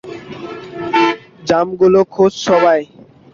জামগুলো খোঁজ সবাই।